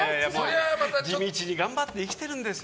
地道に頑張って生きてるんですよ。